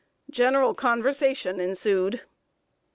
General conversation ensued.